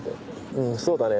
「うんそうだね」